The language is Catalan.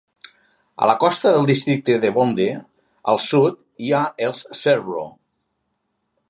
A la costa del districte de Bonthe, al sud, hi ha els sherbro.